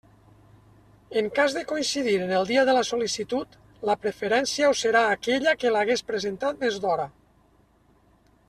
En cas de coincidir en el dia de la sol·licitud, la preferència ho serà aquella que l'hagués presentat més d'hora.